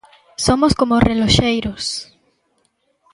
Somos como reloxeiros.